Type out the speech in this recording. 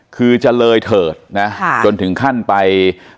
คือจะเลยเถิดนะจนถึงขั้นไป